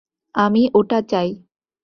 আমি ওটা চাই!